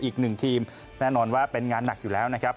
อีกหนึ่งทีมแน่นอนว่าเป็นงานหนักอยู่แล้วนะครับ